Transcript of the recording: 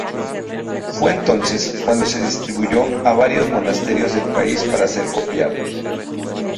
Fue entonces cuando se distribuyó a varios monasterios del país para ser copiados.